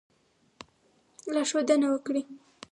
لارښودنه وکړي.